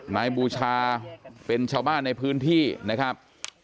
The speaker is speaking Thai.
บูชาเป็นชาวบ้านในพื้นที่นะครับ